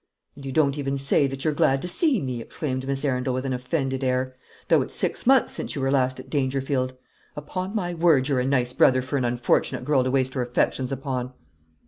"And you don't even say that you're glad to see me!" exclaimed Miss Arundel, with an offended air, "though it's six months since you were last at Dangerfield! Upon my word, you're a nice brother for an unfortunate girl to waste her affections upon!"